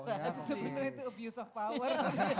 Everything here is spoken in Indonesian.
sebetulnya itu abuse of power